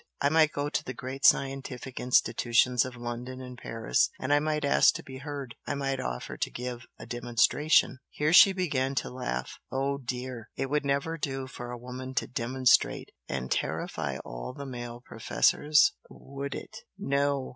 I might go to the great scientific institutions of London and Paris and I might ask to be heard I might offer to give a 'demonstration,'" here she began to laugh; "Oh dear! it would never do for a woman to 'demonstrate' and terrify all the male professors, would it! No!